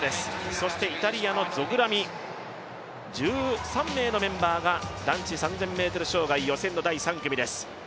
そしてイタリアのゾグラミ、１３名のメンバーが男子３０００ｍ障害の予選第３組のメンバーです。